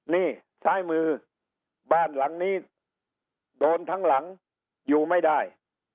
นี่ซ้ายมือบ้านหลังนี้โดนทั้งหลังอยู่ไม่ได้